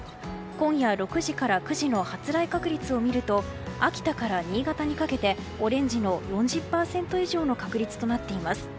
今夜６時から９時の発雷確率を見ると秋田から新潟にかけてオレンジの４０％以上の確率となっています。